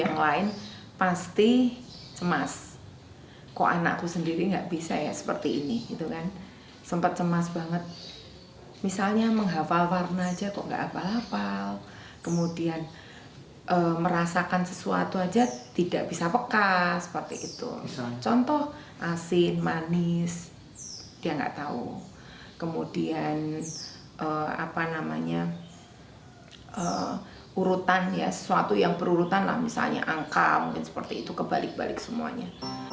kemudian apa namanya urutan ya sesuatu yang perurutan lah misalnya angka mungkin seperti itu kebalik balik semuanya